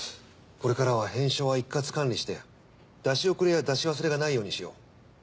これからは返書は一括管理して出し遅れや出し忘れがないようにしよう。